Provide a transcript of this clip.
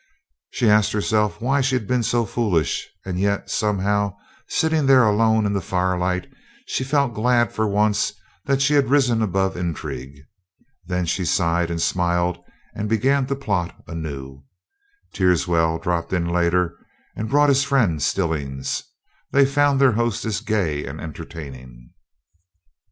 She asked herself why she had been so foolish; and yet, somehow, sitting there alone in the firelight, she felt glad for once that she had risen above intrigue. Then she sighed and smiled, and began to plot anew. Teerswell dropped in later and brought his friend, Stillings. They found their hostess gay and entertaining.